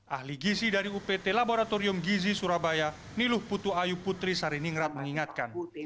ahli gizi dari upt laboratorium gizi surabaya niluh putu ayu putri sariningrat mengingatkan